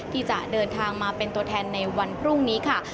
ที่จะเดินทางมาเป็นตัวแทนในวันพรุ่งนี้ค่ะ